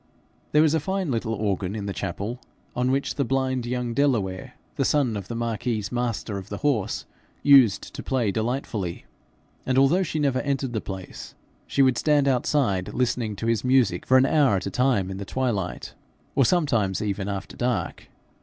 There was a fine little organ in the chapel, on which blind young Delaware, the son of the marquis's master of the horse, used to play delightfully; and although she never entered the place, she would stand outside listening to his music for an hour at a time in the twilight, or sometimes even after dark.